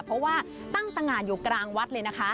เพราะว่าตั้งตางานอยู่กลางวัดเลยนะคะ